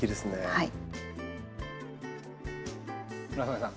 はい！